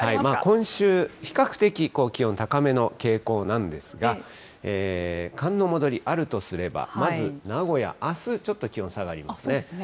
今週、比較的気温高めの傾向なんですが、寒の戻り、あるとすれば、まず名古屋、あすちょっと気温下そうですね。